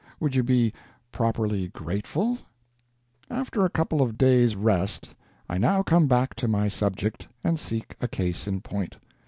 would you be properly grateful? After a couple of days' rest I now come back to my subject and seek a case in point.